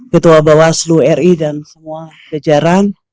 ketua bawaslu ri dan semua jajaran